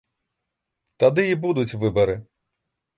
Тады і будуць выбары.